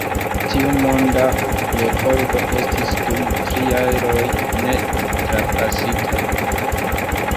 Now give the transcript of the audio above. Tiu monda rekordo estis dum tri jaroj ne trapasita.